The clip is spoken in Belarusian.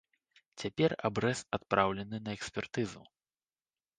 Цяпер абрэз адпраўлены на экспертызу.